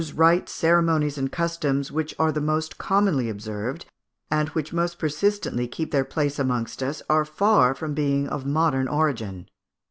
] Those rites, ceremonies, and customs, which are the most commonly observed, and which most persistently keep their place amongst us, are far from being of modern origin.